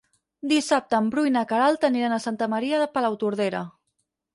Dissabte en Bru i na Queralt aniran a Santa Maria de Palautordera.